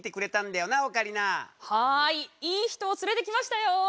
はいいい人を連れてきましたよ！